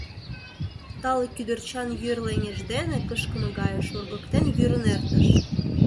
Тале кӱдырчан йӱр леҥеж дене кышкыме гае шоргыктен йӱрын эртыш.